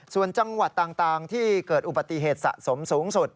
ส่วนจังหวัดต่างที่เกิดอุบัติเหตุสะสมสูงสุด